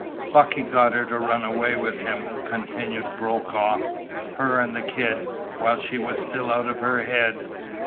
"Bucky got her to run away with him," continued Brokaw. "Her and the kid, while she was still out of her head.